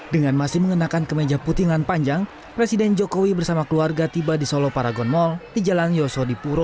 dengan masih mengenakan kemeja putingan panjang presiden jokowi bersama keluarga tiba di solo paragon mall di jalan yosodipuro